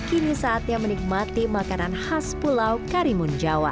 kini saatnya menikmati makanan khas pulau karimun jawa